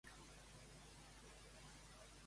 Per tant, ja es posava en pràctica el tercer gènere?